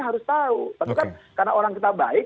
harus tahu tentu kan karena orang kita baik